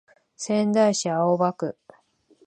仙台市青葉区